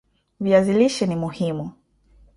viazi lishe ni muhimu